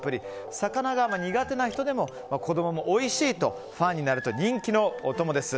魚が苦手な人でも子供もおいしいとファンになると人気のお供です。